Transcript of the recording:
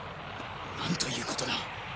「何ということだ」